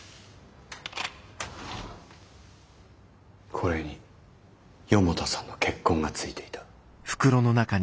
これに四方田さんの血痕が付いていた。